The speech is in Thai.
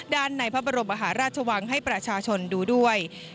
ในพระบรมมหาราชวังให้ประชาชนดูด้วย